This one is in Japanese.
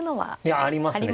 いやありますね。